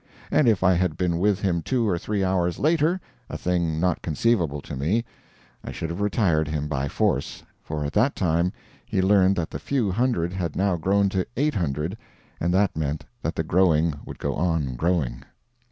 And if I had been with him two or three hours later a thing not conceivable to me I should have retired him by force; for at that time he learned that the few hundred had now grown to 800; and that meant that the growing would go on growing.